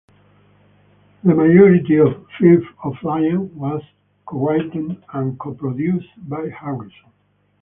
The majority of "Fear of Flying" was co-written and co-produced by Harrison.